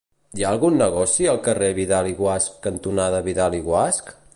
Hi ha algun negoci al carrer Vidal i Guasch cantonada Vidal i Guasch?